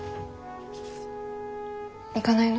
行かないの？